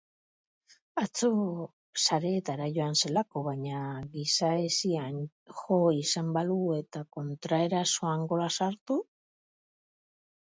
Atzo sareetara joan zelako baina giza-hesian jo izan balu eta kontraerasoan gola sartu?